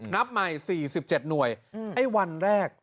นับใหม่๔๗หน่วยไอ้วันแรก